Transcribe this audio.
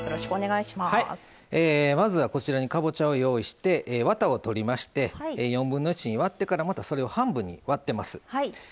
まずはかぼちゃを用意してワタを取りまして４分の１に割ってからそれをまた半分に割ってます。